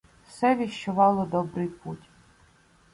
Все віщовало добрий путь.